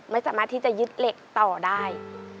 ไม่สามารถที่จะยึดเหล็กต่อได้